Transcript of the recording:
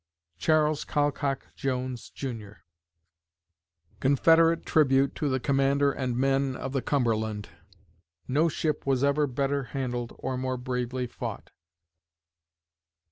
CHARLES COLCOCK JONES, JR. Confederate Tribute to the Commander and Men of the Cumberland: "No ship was ever better handled, or more bravely fought."